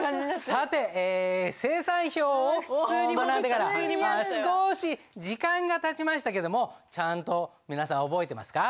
さて精算表を学んでから少し時間がたちましたけどもちゃんと皆さん覚えてますか？